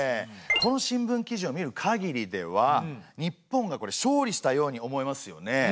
この新聞記事を見るかぎりでは日本が勝利したように思えますよね。